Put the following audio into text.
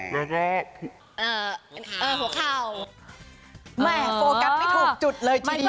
ไม่โฟกัสไม่ถูกจุดเลยทีเดียว